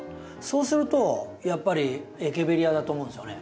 そうするとやっぱりエケベリアだと思うんですよね。